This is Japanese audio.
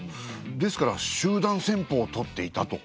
ですから集団戦法をとっていたと。